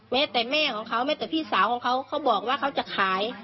แม้แต่แม่ของเขาแม้แต่พี่สาวของเขาเขาบอกว่าเขาจะขาย